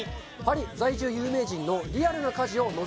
パリ在住有名人のリアルな家事をのぞき見します。